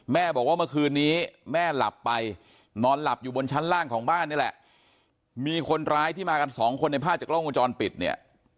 แม่บอกว่าเมื่อคืนนี้แม่หลับไปนอนหลับอยู่บนชั้นล่างของบ้านนี่แหละมีคนร้ายที่มากันสองคนในภาพจากกล้องวงจรปิดเนี่ย